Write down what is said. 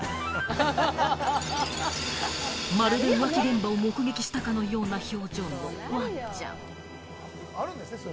まるで浮気現場を目撃したかのような表情のワンちゃん。